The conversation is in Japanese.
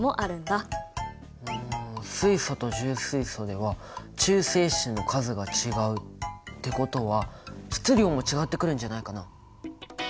うん水素と重水素では中性子の数が違うってことは質量も違ってくるんじゃないかな？